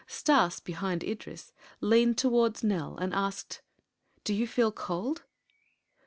Stas, behind Idris, leaned towards Nell and asked: "Do you feel cold?"